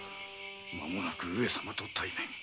まもなく上様と対面。